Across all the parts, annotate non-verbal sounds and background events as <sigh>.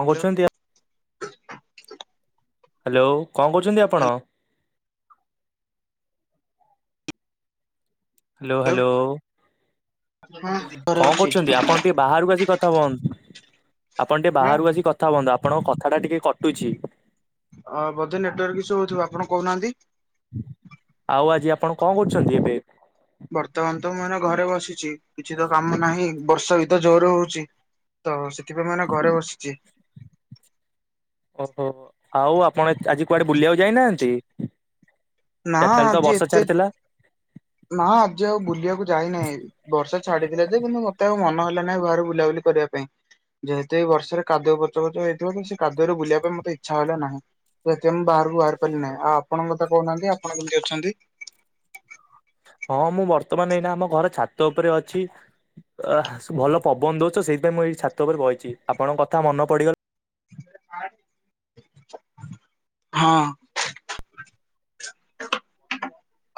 କଣ ହ୍ୟାଲୋ କରୁଛନ୍ତି ଆ ହ୍ୟାଲୋ କଣ କରୁଚନ୍ତି ଆପଣ? ହ୍ୟାଲୋ ହ୍ୟାଲୋ ହଁ ଘରେ କଣ ଅଛି କରୁଛନ୍ତି ଆପଣ ଟିକେ ବାହାରକୁ ଆସିକି କଥା ହୁହନ୍ତୁ। ଆପଣ ଟିକେ ନା ବାହାରକୁ ଆସିି କଥା ହୁଅନ୍ତୁ ଆପଣଙ୍କ କଥା ଟା ଟିକେ କଟୁଛି। ଅ ବୋଧେ ନେଟୱାର୍କ ଇସ୍ୟୁ ହଉଥିବ ଆପଣ କହୁନାହାନ୍ତି। ଆଉ ଆଜି ଆପଣ କଣ କରୁଛନ୍ତି ଏବେ? ବର୍ତ୍ତମାନ ତ ମୁଁ ଏନା ଘରେ ବସିଛି କିଛି ତ କାମ ନାହିଁ ବର୍ଷା ବି ତ ତ ଜୋର ହଉଛି ତ ସେଥିପାଇଁ ମାନେ ଘରେ ବସିଚି। ଓହୋ ଆଉ ଏ ଆପଣ ଆଜି କୁଆଡେ ବୁଲିବାକୁ ଯାଇନାହାନ୍ତି। ନା ଚାର୍ଟାଳେ ତ ଆଜି ବର୍ଷା ଏତେ ଛାଡିଥିଲା। ନା ଆଜି ଆଉ ବୁଲିବାକୁ ଯାଇନାହିଁ। ବର୍ଷା ଛାଡିଥିଲା ଯେ କିନ୍ତୁ ମତେ ଆଉ ମନ ହେଲା ନାହି ବାହାରେ ବୁଲାବୁଲି କରିବା ପାଇଁ। ଯେହେତୁ ଏଇ ବର୍ଷାରେ କାଦୁଅ ପଚପଚ ହେଇଥିବ କି ସେ କାଦୁରେ ବୁଲିବା ପାଇଁ ମୋତେ ଇଚ୍ଛା ହେଲା ନାହିଁ। ସେଥିଇଁ ମୁଁ ବାହାରକୁ ବାହାରି ପାରି ନାହିଁ ଆଉ ଆପଣ ମତେ କହୁନାହାନ୍ତି ଆପଣ କେମିତି ଅଛନ୍ତି। ହଁ ମୁଁ ବର୍ତ୍ତମାନ ଏଇନା ଆମ ଘର ଛାତ ଉପରେ ଅଛି। ଅହ ସୂ ଭଲ ପବନ ଦଉଚି ସେଇଥିପାଇଁ ମୁଁ ଏଇ ଛାତ ଉପରେ ବଇଚି ଆପଣଙ୍କ କଥା ମନ ପଡିଗଲା <inaudible> ହଁ।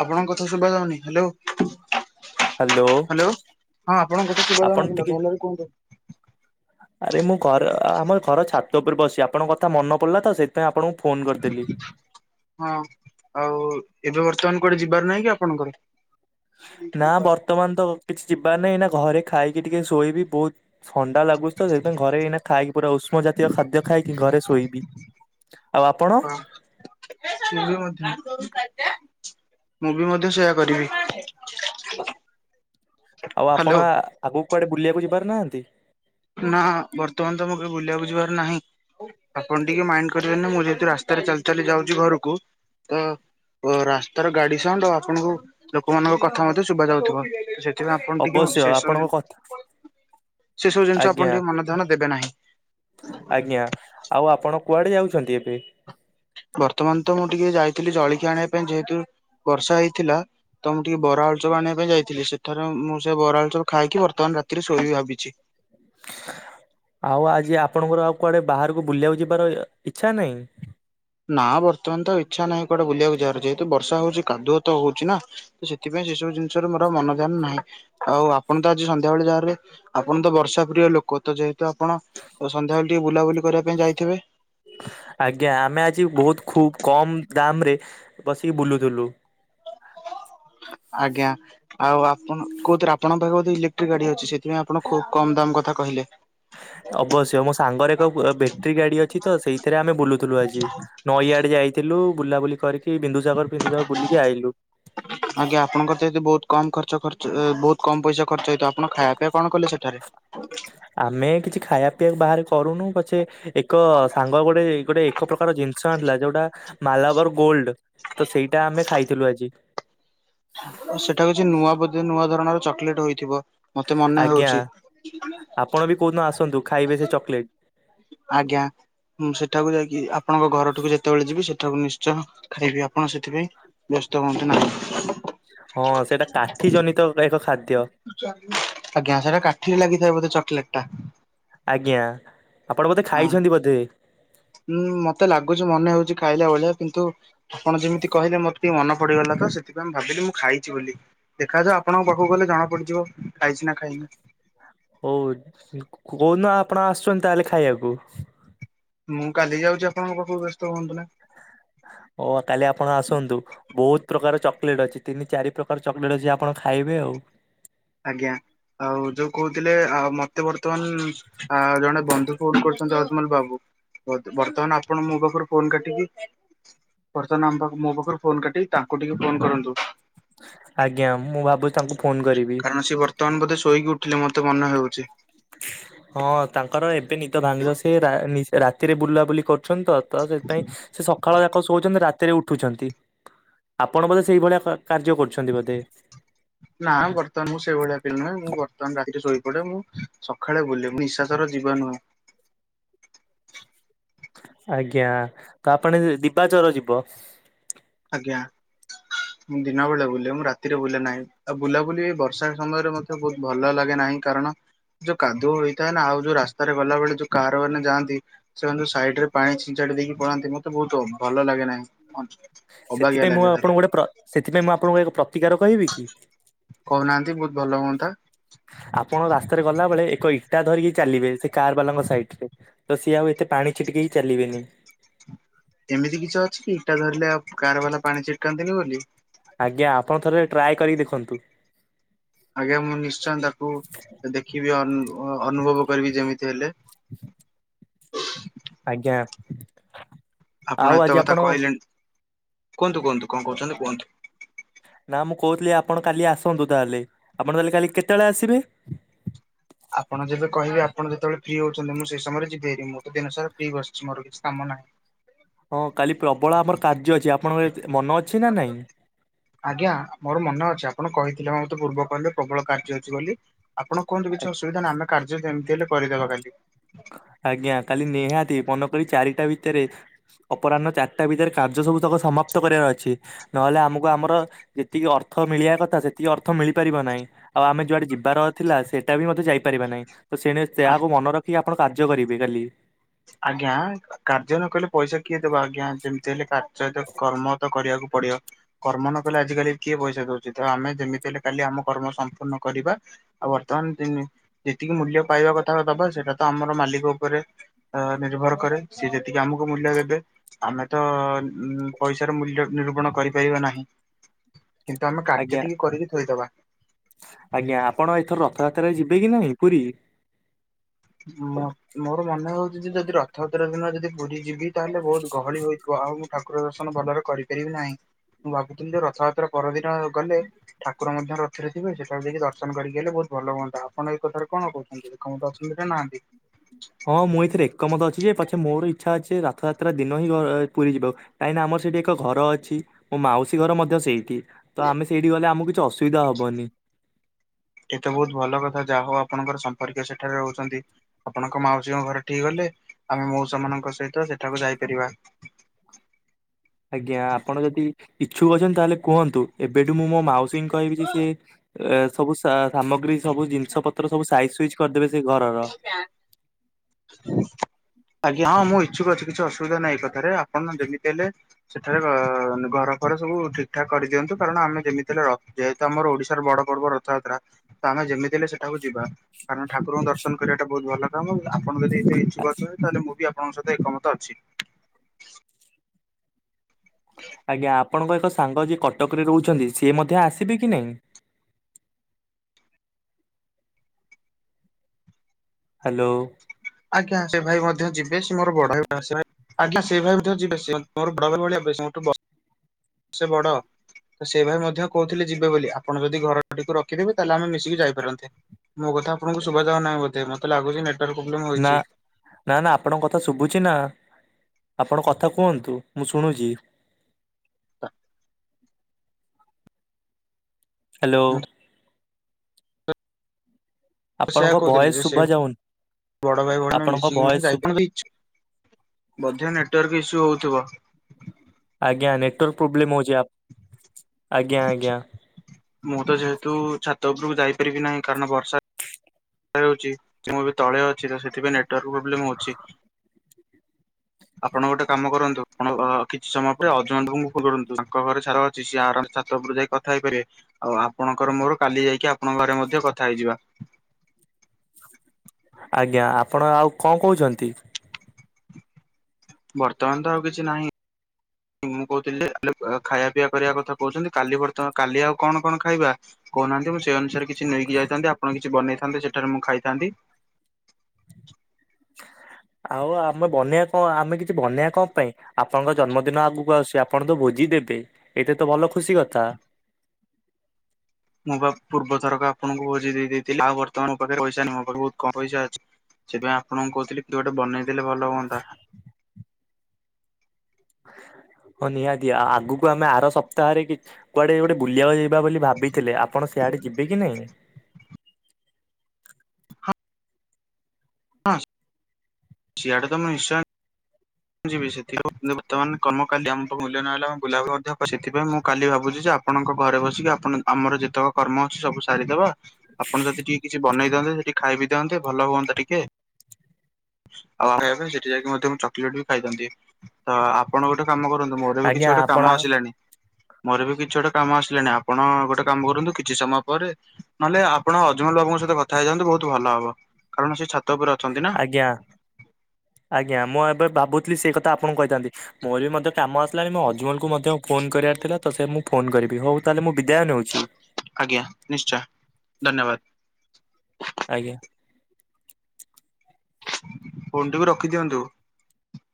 ଆପଣଙ୍କ କଥା ଶୁଭା ଯାଉନି ହ୍ୟାଲୋ। ହ୍ୟାଲୋ ହଁ ଆପଣଙ୍କ କଥା ସୁଭା ଆପଣ ଯାଉନଥିଲା ଟିକେ ଭଲରେ କୁହନ୍ତୁ। ଆରେ ମୁଁ ଘର ଆମ ଘର ଛାତ ଉପରେ ବସି ଆପଣଙ୍କ କଥା ମନ ପଡ଼ିଲା ତ ସେଥିପାଇଁ ଆପଣଙ୍କୁ ଫୋନ କରିଦେଲି। ହଁ ଆଉ ଏବେ ବର୍ତ୍ତମାନ କୁଆଡେ ଯିବାର ନାହିଁ କି ଆପଣଙ୍କର? ନା ବର୍ତ୍ତମାନ ତ କିଛି ଯିବାର ନାହିଁ ଏଇନା ଘରେ ଖାଇକି ଟିକେ ଶୋଇବି ବହୁତ ଥଣ୍ଡା ଲାଗୁଛି ତ ସେଇଥିପାଇଁ ଘରେ ଏଇନା ଖାଇ ପୁରା ଉଷ୍ମ ଜାତୀୟ ଖାଦ୍ୟ ଖାଇକି ଘରେ ଶୋଇବି ଆଉ ଆପଣ? ହଁ ମୁଁ ବି ମଧ୍ୟ ମୁଁ ବି ମଧ୍ୟ ସେୟା କରିବି। ଆଉ ହ୍ୟାଲୋ ଆପଣ ଆଗକୁ କୁଆଡେ ବୁଲିବାକୁ ଯିବାର ନାହାଁନ୍ତି? ନା ବର୍ତ୍ତମାନ ତମକୁ ବୁଲିବାକୁ ଯିବାର ନାହିଁ? ଆପଣ ଟିକେ ମାଇଁଣ୍ଡ କରିିବେନି ମୁଁ ଯେହେତୁ ରାସ୍ତାରେ ଚାଲି ଚାଲି ଯାଉଛି ଘରକୁ ତ ରାସ୍ତାର ଗାଡି ସାଉଣ୍ଡୁ ଆ ଆପଣଙ୍କୁ ଲୋକମାନଙ୍କ କଥା ମଧ୍ୟ ଶୁବା ଯାଉଥିବ। ସେଥିପାଇଁ ଆପଣ ଟିକେ ଅବଶ୍ୟ ସେ ସବୁ ଆପଣଙ୍କ କଥା ଜି‌ନ ସେ ସବୁ ଜିନିଷ ଆଜ୍ଞା ଆପଣ ଟିକେ ମନ ଧ୍ୟାନ ଦେବେ ନାହିଁ। ଆଜ୍ଞା ଆଉ ଆପଣ କୁଆଡେ ଯାଉଛନ୍ତି ଏବେ? ବର୍ତ୍ତମାନ ତ ମୁଁ ଟିକେ ଯାଇଥିଲି ଜଳିଖିଆ ଆଣିବା ପାଇଁ ଯେହେତୁ ବର୍ଷା ହେଇଥିଲା ତ ମୁଁ ଟିକେ ବରା ଆଳୁଚପ୍ ଆଣିବା ପାଇଁ ଯାଇଥିଲି ସେଠାରେ ମୁଁ ସେ ବରା ଆଳୁଚପ୍ ଖାଇକି ବର୍ତ୍ତମାନ ରାତିରେ ଶୋଇବି ଭାବିଛି। ଆଉ ଆଜି ଆପଣଙ୍କର ଆଉ କୁଆଡେ ବାହାରକୁ ବୁଲିବାକୁ ଯିବାର ଏ ଇଚ୍ଛା ନାହିଁ? ନା ବର୍ତମାନ ତ ଇଚ୍ଛା ନାହିଁ କୁଆଡେ ବୁଲିବାକୁ ଯିବାର ଯେହେତ ବର୍ଷା ହଉଛି କାଦୁଅ ତ ହଉଛି ନା? ତ ସେଥିପାଇଁ ସେ ସବୁ ଜିନିଷରେ ମୋର ଆଉ ମନ ଧ୍ୟାନ ନାହିଁ। ଆଉ ଆପଣ ତ ଆଜି ସନ୍ଧ୍ୟାବେଳେ ଯାହାରେ ଆପଣ ତ ବର୍ଷା ପ୍ରିୟ ଲୋକ ତ ଯେହେ ତ ଆପଣ ସନ୍ଧ୍ୟାବେଳେ ଟିକେ ବୁଲାବୁଲି କରିବା ପାଇଁ ଯାଇଥିବେ? ଆଜ୍ଞା ଆମେ ଆଜି ବହୁତ ଖୁବ୍ କମ୍ ଦାମ୍ ରେ ବସିକି ବୁଲୁଥିଲୁ। ଆଜ୍ଞା। ଆଉ ଆପଣ କୋଉଥିରେ ଆପଣ ପାଖେ ବୋଧେ ଇଲେକ୍ଟ୍ରିକ୍ ଗାଡି ଅଛି ସେଥିପାଇଁ ଆପଣ ଖୁବ କମ ଦମ୍ କଥା କହିଲେ? ଅବଶ୍ୟ ମୋ ସାଙ୍ଗର ଏକ ବ ବେଟ୍ରି ଗାଡି ଅଛି ତ ସେଇଥିରେ ଆମେ ବୁଲୁଥିଲୁ ଆଜି। ନଈଆଡେ ଯାଇଥିଲୁ ବୁଲାବୁଲି କରିକି ବିନ୍ଦୁସାଗର ଫିନ୍ଦୁସାଗର ବୁଲିକି ଆଇଲୁ। ଆଜ୍ଞା ଆପଣଙ୍କର ତ ଏତେ ବହୁତ କମ୍ ଖର୍ଚ୍ଚ ଖର୍ଚ୍ଚ ଏ ବହୁତ କମ୍ ପଇସା ଖର୍ଚ୍ଚ ହେଇଥିବ ଆପଣ ଖାଇବା ପିଇବା କଣ କଲେ ସେଠାରେ? ଆମେ କିଛି ଖାଇବା ପିଇବାକୁ ବାହାରେ କରୁନୁ ପଛେ ଏକ ସାଙ୍ଗ ଗୋଟେ ଗୋଟେ ଏକ ପ୍ରକାର ଜିନିଷ ଆଣିିଲା ଯୋଉଟା ମାଲାବର ଗୋଲ୍ଡ ତ ସେଇଟା ଆମେ ଖାଇଥିଲୁ ଆଜି। ଆ ସେଟା ହଉଛି ନୂଆ ବୋଧେ ନୂଆ ଧରଣର ଚକଲେଟ୍ ହୋଇଥିବ। ମତେ ମନେ ଆଜ୍ଞା ହଉଛି ଆପଣ ବି କୋଉଦିନ ଆସନ୍ତୁ ଖାଇବେ ସେ ଚକୋଲେଟ୍। ଆଜ୍ଞା। ମୁଁ ସେଠାକୁ ଯାଇକି ଆପଣଙ୍କ ଘରଠିକୁ ଯେତେବେଳେ ଯିବି ସେଠାକୁ ନିଶ୍ଚୟ ଖାଇବି ଆପଣ ସେଥିପାଇଁ ବ୍ୟସ୍ତ ହୁଅନ୍ତୁ ନାହିଁ। ହଁ ସେଇଟା କାଠି ଜନିତ କା ଏକ ଖାଦ୍ୟ। ଆଜ୍ଞା ସେଟା କାଠିରେ ଲାଗିଥାଏ ବୋଧେ ଚକୋଲେଟ୍ ଟା? ଆଜ୍ଞା ଆପଣ ବୋଧେ ଖାଇଛନ୍ତି ବୋଧେ? ହୁଁ ମତେ ଲାଗୁଛି ମନେ ହଉଛି ଖାଇଲା ଭଳିଆ କିନ୍ତୁ ଆପଣ ଯେମିତି କହିଲେ ମୋର ଟିକେ ମନ ପଡିଗଲା ତ ସେଥିପାଇଁ ମୁଁ ଭାବିଲି ମୁଁ ଖାଇଛି ବୋଲି। ଦେଖ ଯାଉ ଆପଣଙ୍କ ପାଖକୁ ଗଲେ ଜଣା ପଡିଯିବ ଖାଇଛି ନା ଖାଇନି। ହଉ କୋ କୋଉ ଦିନ ଆପଣ ଆସୁଛନ୍ତି ତାହେଲେ ଖାଇବାକୁ? ମୁଁ କାଲି ଯାଉଛି ଆପଣଙ୍କ ପାଖକୁ ବ୍ୟସ୍ତ ହୁଅନ୍ତୁ ନି। ହଉ କାଲି ଆପଣ ଆସନ୍ତୁ। ବହୁତ ପ୍ରକାର ଚକଲେଟ୍ ଅଛି ତିନି ଚାରି ପ୍ରକାର ଚକଲେଟ ଅଛି ଆପଣ ଖାଇବେ ଆଉ। ଆଜ୍ଞା ଆଉ ଯୋଉ କହୁଥିଲେ ଆ ମତେ ବର୍ତ୍ତମାନ ଆ ଜଣେ ବନ୍ଧୁ ଫୋନ କର ଜର୍ଜମାନ ବାବୁ ବତ ବର୍ତ୍ତମାନ ଆପଣ ମୋ ପାଖରୁ ଫୋନ କାଟିକି ବର୍ତ୍ତମାନ ଆମ ପାଖ ମୋ ପାଖରୁ ଫୋନ କାଟିକି ତାଙ୍କଟିକି ଫୋନ କରନ୍ତୁ। ଆଜ୍ଞା ମୁଁ ଭାବୁଛି ତାଙ୍କୁ ଫୋନ୍ କରିବି। ଆ ସିଏ ବର୍ତ୍ତମାନ ବୋଧେ ଶୋଇକି ଉଠିଲେ ମତେ ମନେ ହେଉଛି। ହଁ ତାଙ୍କର ଏବେ ନିଦ ଭାଙ୍ଗିବ ସେ ରା ନିଷ ରାତିରେ ବୁଲାବୁଲି କରୁଚନ୍ତି ତ ତ ସେଥିପାଇଁ ସେ ଖାଳ ଯାକ ଶୋଉଚନ୍ତି ରାତିରେ ଉଠୁଛନ୍ତି ଆପଣ ବୋଧେ ସେଇଭଳିଆ କା କାର୍ଯ୍ୟ କରୁଚନ୍ତି ବୋଧେ? ନା ବର୍ତ୍ତମାନ ମୁଁ ସେଇଭଳିଆ ପିଲି ନୁହେଁ ମୁଁ ବର୍ତ୍ତମାନ ରାତିରେ ଶୋଇପଡେ ମୁଁ ସକାଳେ ବୁଲେ ନିସ୍ୱାସର ଜୀବନ ଆଜ୍ଞା ତ ଆପଣ ଦିବାଚର ଯିବ। ଆଜ୍ଞା। ମୁଁ ଦିନ ବେଳେ ବୁଲେ ମୁଁ ରାତିରେ ବୁଲେ ନାହିଁ ଆଉ ବୁଲାବୁଲି ବର୍ଷା ସମୟରେ ମତେ ବହୁତ ଭଲ ଲାଗେ ନାହିଁ କାରଣ ଯୋଉ କାଦୁଅ ହେଇଥାଏ ନା ଆଉ ଯୋଉ ରାସ୍ତାରେ ଗଲାବେଳେ ଯୋଉ କାର ମାନେ ଯାଆନ୍ତି। ସେମାନେ ଯୋଉ ସାଇଡ ରେ ପାଣି ଛିଞ୍ଚାଡି ଦେଇକି ପଳାନ୍ତି ମତେ ବହୁତ ଅ ଭଲ ଲାଗେ ନାହିଁ। ଅବାଗିଆ ସେଥିପାଇଁ ମୁଁ ଲାଗେ ଭାରି ଆପଣଙ୍କୁ ଗୋଟେ ପ୍ର ସେଥିପାଇଁ ମୁଁ ଆପଣଙ୍କୁ ଏକ ପ୍ରତିକାର କହିବି କି? କହୁନାହାନ୍ତି ବହୁତ ଭଲ ହୁଅନ୍ତା। ଆପଣ ରାସ୍ତାରେ ଗଲା ବେଳେ ଏକ ଇଟା ଧରିକି ଚାଲିବେ ସେ କାର ବାଲାଙ୍କ ସାଇଡ୍ ରେ ତ ସିଏ ଆଉ ଏତେ ପାଣି ଛିଟିକେଇ ଚାଲିବେନି। ଏମିତି କିଛି ଅଛି କି ଇଟା ଧରିଲେ ଆଉ କାର ବାଲା ପାଣି ଛିଟକାନ୍ତିନି ବୋଲି। ଆଜ୍ଞା ଆପଣ ଥରେ ଟ୍ରାଏ କରିକି ଦେଖନ୍ତୁ। ଆଜ୍ଞା ମୁଁ ନିଶ୍ଚୟ ତାକୁ ଦେଖିବି ଅନୁ ଅନୁଭବ କରିବି ଯେମିତି ହେଲେ। ଠ ଆଜ୍ଞା। ଆପଣ ଆଉ ଏତେ ଆଜି କଥା କହିଲେଣି କୁହନ୍ତୁ କୁହନ୍ତୁ କଣ କହୁଚନ୍ତି କୁହନ୍ତୁ। ନା ମୁଁ କହୁଥିଲି ଆପଣ କାଲି ଆସନ୍ତୁ ତାହେଲେ ଆପଣ ତାହେଲେ କାଲି କେତେବେଳେ ଆସିବେ? ଆପଣ ଯେବେ କହିବେ ଆପଣ ଯେତେବେଳେ ଫ୍ରି ହଉଚନ୍ତି ମୁଁ ସେଇ ସମୟରେ ଯିବି ହାରି ମୁଁ ତ ଦିନସାରା ଫ୍ରି ବସିଛି ମୋର କିଛି କାମ ନାହିଁ। ହଁ କାଲି ପ୍ରବଳ ଆମର କାର୍ଯ୍ୟ ଅଛି ଆପଣଙ୍କର ଏତ ମନ ଅଛି ନା ନାଇଁ? ଆଜ୍ଞା ମୋର ମନେ ଅଛି ଆପଣ କହିଥିଲେ ବା ମତେ ପୂର୍ବ କଲ ରେ ପ୍ରବଳ କାର୍ଯ୍ୟ ଅଛି ବୋଲି ଆପଣ କୁହନ୍ତୁ କିଛି ଅସୁବିଧା ନାହିଁ ଆମେ କାର୍ଯ୍ୟ ଯେମିତି ହେଲେ କରିଦବା କାଲି। ଆଜ୍ଞା କାଲି ନିହାତି ମାନେକରି ଚାରିଟା ଭିତେରେ ଅପରାହ୍ନ ଚାରିଟା ଭିତରେ କାର୍ଯ୍ୟ ସବୁ ତକ ସମାପ୍ତ କରିବାର ଅଛି ନହେଲେ ଆମକୁ ଆମର ଯେତିକି ଅର୍ଥ ମିଳିବା କଥା ସେତିକି ଅର୍ଥ ମିଳିପାରିବ ନାହିଁ। ଆଉ ଆମେ ଯୁଆଡେ ଯିବାର ଥିଲା ସେଇଟା ବି ମଧ୍ୟ ଯାଇପାରିବା ନାହିଁ। ତ ସେଣେ ସେୟାକୁ ମନେରଖି ଆପଣ କାର୍ଯ୍ୟ କରିବେ କାଲି। ଆଜ୍ଞା କାର୍ଯ୍ୟ ନକଲେ ପଇସା କିଏ ଦେବ ଆଜ୍ଞା ଯେମତି ହେଲେ କାର୍ଯ୍ୟତ କର୍ମ ତ କରିଆକୁ ପଡିବ। କର୍ମ ନ କଲେ ଆଜିକାଲି କିଏ ପଇସା ଦଉଚି ତ ଆମେ ଯେମିତି ହେଲେ କାଲି ଆମ କର୍ମ ସମ୍ପୂର୍ଣ୍ଣ କରିବା। ଆଉ ବର୍ତ୍ତମାନ ଦିନି ଯେତିକି ମୂଲ୍ୟ ପାଇବା କଥା ଦବା ସେଟା ତ ଆମର ମାଲିକ ଉପରେ ଅ ନିର୍ଭର କରେ ସିଏ ଯେତିକି ଆମକୁ ମୂଲ୍ୟ ଦେବେ। ଆମେ ତ ଉଁ ପଇସାର ମୂଲ୍ୟ ନିରୁପଣ କରିପାରିବା ନାହିଁ। କିନ୍ତୁ ଆମେ ଆଜ୍ଞା କାର୍ଯ୍ୟଟିକି କରିକି ଥୋଇଦବା। ଆଜ୍ଞା ଆପଣ ଏଥର ରଥଯାତ୍ରାରେ ଯିବେ କି ନାହିଁ ପୁରୀ? ମୋ ମୋର ମନେ ହଉଚି ଯଦି ରଥଯାତ୍ରା ଦିନ ଯଦି ପୁରୀ ଯିବି ତାହେଲେ ବହୁତ୍ ଗହଳି ହୋଇଥି <unintelligible> ଆଉ ମୁଁ ଠାକୁର ଦର୍ଶନ ଭଲରେ କରିପାରିବି ନାହିଁ। ମୁଁ ଭାବୁଥିଲି ଯେ ରଥଯାତ୍ରା ପରଦିନ ଗଲେ ଠାକୁର ମଧ୍ୟ ରଥରେ ଥିବେ ସେଠାକୁ ଯାଇକି ଦର୍ଶନ କରିକି ଆଇଲେ ବହୁତ ଭଲ ହୁଅନ୍ତା। ଆପଣ ଏଇ କଥାରେ କଣ କହୁଛନ୍ତି, ଏକମତ ବୋଧେ ନାହାନ୍ତି? ହଁ ମୁଁ ଏଥିରେ ଏକମତ ଅଛି ଯେ ପଛେ ମୋର ଇଚ୍ଛା ଅଛି ରଥଯାତ୍ରା ଦିନ ହିଁ ପୁରୀ ଯିବ। କାହିଁକି ନା ଆମର ସେଇଠି ଏକ ଘର ଅଛି ମୋ ମାଉସୀ ଘର ମଧ୍ୟ ସେଇଠି। ତ ଆମେ ସେଇଠି ଗଲେ ଆମକୁ କିଛି ଅସୁବିଧା ହବନି। ଏ ତ ବହୁତ୍ ଭଲ କଥା ଯାହା ହଉ ଆପଣଙ୍କର ସମ୍ପର୍କୀୟ ସେଠାରେ ରହୁଛନ୍ତି। ଆପଣଙ୍କ ମାଉସୀଙ୍କ ଘରଠିକି ଗଲେ ଆମେ ମଉସାମାନଙ୍କ ସହିତ ସେଠାକୁ ଯାଇପାରିବା। ଆଜ୍ଞା, ଆପଣ ଯଦି ଇଚ୍ଛୁକ ଅଛନ୍ତି ତାହେଲେ କୁହନ୍ତୁ ଏବେଠୁ ମୁଁ ମୋ ମାଉସୀଙ୍କୁ କହିବି ଯେ ସିଏ ଏ ସବୁ ସା ସାମଗ୍ରୀ ସବୁ ଜିନିଷପତ୍ର ସବୁ ସାଇଜ୍ ସୁଇଜ୍ କରିଦେବେ ସେ ଘରର। ଫ୍ୟାନ୍ ଆଜ୍ଞାଁ ହଁ ମୁଁ ଇଚ୍ଛୁକ ଅଛି, କିଛି ଅସୁବିଧା ନାହିଁ ଏ କଥାରେ ଆପଣ ଯେମିତି ହେଲେ ସେଠାରେ ଅ-ଅ ଘର ଫର ସବୁ ଠିକଠାକ୍ କରିଦିଅନ୍ତୁ କାରଣ ଆମେ ଯେମିତି ହେଲେ ର ଯେହେତୁ ଆମର ଓଡିଶାର ବଡ ପର୍ବ ରଥଯାତ୍ରା, ତ ଆମେ ଯେମିତି ହେଲେ ସେଠାକୁ ଯିବା କାରଣ ଠାକୁରଙ୍କୁ ଦର୍ଶନ କରିବାଟା ବହୁତ୍ ଭଲ। ହଁ ମୁଁ ଆପଣ ଯଦି ଏତେ ଆ- ଇଚ୍ଛୁକ ଅଛନ୍ତି ତାହେଲେ ମୁଁ ବି ଆପଣଙ୍କ ସହିତ ଏକମତ ଅଛି। ଆଜ୍ଞା ଆପଣଙ୍କ ଏକ ସାଙ୍ଗ ଯିଏ କଟକରେ ରହୁଛନ୍ତି ସିଏ ମଧ୍ୟ ଆସିବେ କି ନାହିଁ? ହ୍ୟାଲୋ? ଆଜ୍ଞା, ସେ ଭାଇ ମଧ୍ୟ ଯିବେ ସେ ମୋର ବଡ ଭାଇ <unintelligible> ଭାଇ। ଆଜ୍ଞା ସେ ଭାଇ ବି ତ ଯିବେ ସେ ମୋର ବଡ ଭାଇ ଭଳିଆ, ବେଶ୍ ମୋଠୁ ବର୍ ବର୍ଷେ ବଡ଼। ତ ସେଇ ଭାଇ ମଧ୍ୟ କହୁଥିଲେ ଯିବେ ବୋଲି ଆପଣ ଯଦି ଘରଟିକୁ ରଖିଦେବେ ତାହେଲେ ଆମେ ମିଶିକି ଯାଇପାରନ୍ତେ। ମୋ କଥା ଆପଣଙ୍କୁ ଶୁଭାଯଉ ନାହିଁ ବୋଧେ ମତେ ଲାଗୁଛି ନେଟୱାର୍କ ପ୍ରୋବ୍ଲେମ୍ ହୋଇଛି। ନା-ନା ଆପଣଙ୍କ କଥା ଶୁଭୁଛି ନା, ଆପଣ କଥା କୁହନ୍ତୁ ମୁଁ ଶୁଣୁଛି। ହ୍ୟାଲୋ। ମୁଁ ସେଇୟା ଆପଣଙ୍କ ଭଏସ କହୁଥିଲି ଯେ ସେ ଶୁଭା ଯାଉନି ବଡ ଭାଇ ଭଉଣୀ ଆପଣଙ୍କ ମିଶିକି ଭଏସ ମାନେ ଶୁ ଯାଇପାରିବୁ <inaudible> ବୋଧେ ନେଟୱାର୍କ ଇସ୍ୟୁ ହଉଥିବ। ଆଜ୍ଞା ନେଟୱାର୍କ ପ୍ରୋବ୍ଲେମ୍ ହଉଛି, ଆ ଆଜ୍ଞା-ଆଜ୍ଞା। ମୁଁ ତ ଯେହେତୁ ଛାତ ଉପରକୁ ଯାଇପାରିବି ନାହିଁ କାରଣ ବର୍ଷା ରହୁଛି, ମୁଁ ଏବେ ତଳେ ଅଛି ତ ସେଥିପାଇଁ ନେଟୱାର୍କ ପ୍ରୋବ୍ଲେମ୍ ହଉଛି। ଆପଣ ଗୋଟେ କାମ କରନ୍ତୁ, ଆପଣ-ଅ-ଅ କିଛି ସମୟ ପରେ ଅଜୟ ବାବୁଙ୍କୁ ଫୋନ୍ କରନ୍ତୁ ତାଙ୍କ ଘରେ ସାର ଅଛି ସିଏ ଆରାମସେ ଛାତ ଉପରୁ ଯାଇ କ କଥା ହେଇପାରିବେ ଆଉ ଆପଣଙ୍କର ମୋର କାଲି ଯାଇକି ଆପଣଙ୍କ ଘରେ ମଧ୍ୟ କଥା ହେଇଯିବା। ଆଜ୍ଞା, ଆପଣ ଆଉ କଣ କହୁଛନ୍ତି? ବର୍ତ୍ତମାନ ତ ଆଉ କିଛି ନାହିଁ। ମୁଁ କହୁଥିଲି କାଲି ଖାଇବା ପିଆ କରିବା କଥା କହୁଛନ୍ତି କାଲି ବର୍ତ୍ତମା କାଲି ଆଉ କଣ କଣ ଖାଇବା? କହୁନାହାନ୍ତି ମୁଁ ସେଇ ଅନୁସାରେ କିଛି ନେଇକି ଯାଇଥାନ୍ତି ଆପଣ କିଛି ବନେଇଥାନ୍ତେ ସେଠାରେ ମୁଁ ଖାଇଥାନ୍ତି। ଆଉ ଆମେ ବନେଇବା କଣ ଆମେ କିଛି ବନେଇବା କଣ ପାଇଁ? ଆପଣଙ୍କ ଜନ୍ମଦିନ ଆଗକୁ ଆସୁଛି ଆପଣ ତ ଭୋଜି ଦେବେ ଏଇତେ ତ ଭଲ ଖୁସି କଥା। ମୁଁ ପା ପୂର୍ବ ଥରକ ଆପଣଙ୍କୁ ଭୋଜି ଦେଇ ଦେଇଥିଲି, ଆଉ ବର୍ତ୍ତମାନ ମୋ ପାଖରେ ପଇସା ନାହିଁ ମୋ ପାଖରେ ବହୁତ କମ୍ ପଇସା ଅଛି। ସେଥିପାଇଁ ଆପଣଙ୍କୁ କହୁଥିଲି କିଏ ଗୋଟେ ବନେଇ ଦେଲେ ଭଲ ହୁଅନ୍ତା। ହଁ ନିହାତି ଆ-ଆ ଆଗକୁ ଆମେ ଆର ସପ୍ତାହରେ କି କୁଆଡେ ଗୋଟେ ବୁଲିବାକୁ ଯି ଯିବା ବୋଲି ଭାବିଥିଲେ ଆପଣ ସିଆଡେ ଯିବେ କି ନାଇଁ? ହଁ ସେଇଡେ ତମେ ନିଶ୍ଚୟେ ମୁଁ ଯିବି ସେଥିିରମୁଁ ବର୍ତ୍ତମାନ କମକାଡ୍ୟମର ମୂଲ୍ୟ ୟନର ବୁଲାବା ମଧ୍ୟ ପ୍ରସିଧିଥିବା ମୁଁ କାଲି ଭାବୁଛି ଆ ଆପଣ କଣ ଘରେ ବସିବେ ଆପଣ ଆମର ଯେତେକ କର୍ମ ଅଛି ସବୁ ସାରିଦେବା। ଆପଣ ଯଦି ଟିକେ କିଛି ବନେଇ ଦିଅନ୍ତେ ସେଠି ଖାଇବି। ଭଲ ହୁଅନ୍ତା ଟିକିଏ ଆଉ ରହିଵା ପାଇଁ ସେଠି ଯାଇ କଣ କିଣୁଚ? ବି ଖାଇଥାନ୍ତି ତ ଆପଣ ଗୋଟେ କାମ କରନ୍ତୁ ମୋର ବି କିଛି ଆଜ୍ଞା ଗୋଟେ କାମ ଆପଣ ଆସିଲାାନି। ମୋର ବି କିଛି ଗୋଟେ କାମ ଆସିଲାଣି ଆପଣ ଗୋଟେ କାମ କରନ୍ତୁ କିଛି ସମୟ ପରେ ନହେଲେ ଆପଣ ଅଜମଲ ବାବୁଙ୍କ ସହିତ କଥା ହେଇଯାଆନ୍ତୁ ବହୁତ ଭଲ ହବ କାରଣ ସେଛା ଆଜ୍ଞା। ଆଜ୍ଞା ମୁଁ ଏବେ ଭାବୁଥିଲି ସେଇ କଥା ଆପଣଙ୍କୁ କହିଥାନ୍ତି ମୁ ବି ମଧ୍ୟ କାମ ଆସିଲାଣି ମଁ ଅଜୁଭାଇଙ୍କୁ ମଧ୍ୟ ଫୋନ୍ କରିବାର ଥିଲା ତ ସେ ମୁଁ ଫୋନ କରିବି ହେଉ ତାହେଲେ ମୁଁ ବିଦାୟ ନେଉଛି। ଆଜ୍ଞା ନିଶ୍ଚୟ ଧନ୍ୟବାଦ। ଆଜ୍ଞା। ଫେନ ଟା କୁ ରଖି ଦିଅନ୍ତୁ।